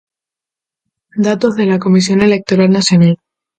Datos de la Comisión Electoral Nacional.